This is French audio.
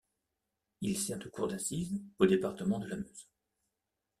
Il sert de Cour d'Assise au département de la Meuse.